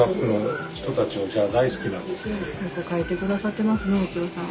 よく描いて下さってますね幸士さん。